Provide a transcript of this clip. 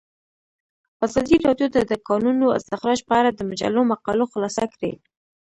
ازادي راډیو د د کانونو استخراج په اړه د مجلو مقالو خلاصه کړې.